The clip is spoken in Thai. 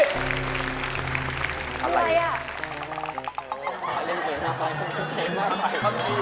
หาเล่นเกมต่อไป